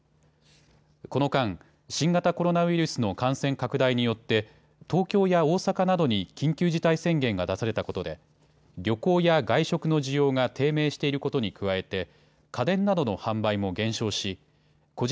この間、新型コロナウイルスの感染拡大によって東京や大阪などに緊急事態宣言が出されたことで旅行や外食の需要が低迷していることに加えて家電などの販売も減少し個人